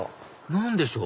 何でしょう？